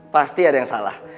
pasti ada yang salah